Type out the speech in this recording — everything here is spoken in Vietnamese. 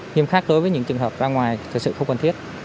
nhưng khác với những trường hợp ra ngoài thực sự không cần thiết